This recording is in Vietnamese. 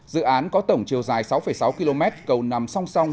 dự án có tổng chiều dài sáu sáu km cầu nằm song song